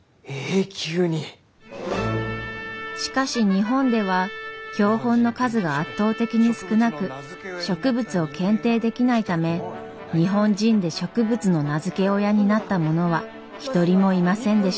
しかし日本では標本の数が圧倒的に少なく植物を検定できないため日本人で植物の名付け親になった者は一人もいませんでした。